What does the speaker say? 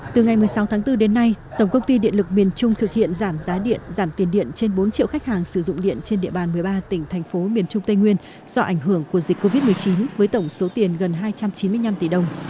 từ ngày một mươi sáu tháng bốn đến nay tổng công ty điện lực miền trung thực hiện giảm giá điện giảm tiền điện trên bốn triệu khách hàng sử dụng điện trên địa bàn một mươi ba tỉnh thành phố miền trung tây nguyên do ảnh hưởng của dịch covid một mươi chín với tổng số tiền gần hai trăm chín mươi năm tỷ đồng